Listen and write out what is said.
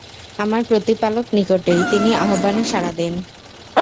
আমার প্রতিপালক নিকটেই, তিনি আহ্বানে সাড়া দেন।